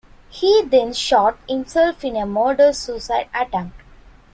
He then shot himself in a murder-suicide attempt.